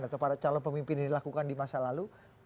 atau para calon pemimpin ini lakukan di masa lalu